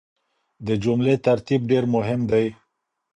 د جملې ترتيب ډېر مهم دی.